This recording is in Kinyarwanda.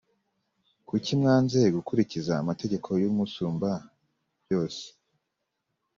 kucyi mwanze gukurikiza amategeko y’Umusumbabyose.